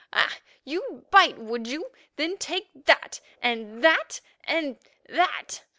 Ah! you'd bite, would you? Then take that, and that and—that.